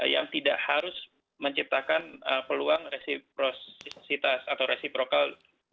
yang tidak harus menciptakan peluang resiprositas atau resiprokal